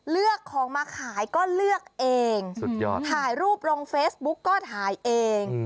เลือกของมาขายก็เลือกเองสุดยอดถ่ายรูปลงเฟซบุ๊กก็ถ่ายเอง